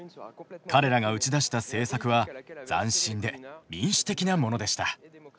彼らが打ち出した政策は斬新で民主的なものでした。